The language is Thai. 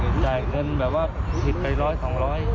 จ่ายเงินแบบว่าผิดไปร้อยสองร้อย